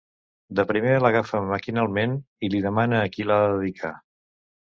De primer l'agafa maquinalment i li demana a qui l'ha de dedicar.